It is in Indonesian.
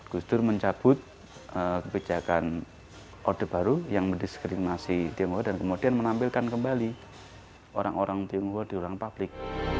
gus dur mencabut kebijakan orde baru yang mendiskriminasi tionghoa dan kemudian menampilkan kembali orang orang tionghoa di ruang publik